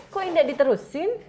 kok enggak diterusin